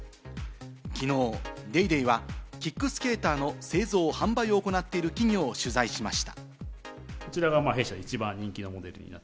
昨日『ＤａｙＤａｙ．』は、キックスケーターの製造・販売を行っている企業を取材しました。